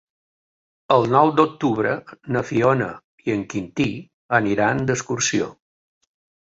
El nou d'octubre na Fiona i en Quintí aniran d'excursió.